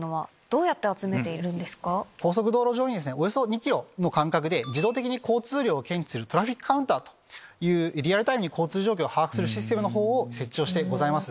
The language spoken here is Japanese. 高速道路上におよそ２ｋｍの間隔で自動的に交通量を検知するトラフィックカウンターというリアルタイムに交通状況を把握するシステムを設置してます。